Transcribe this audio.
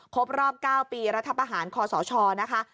ครบรอบ๙ปีรัฐประหารคศนะคะ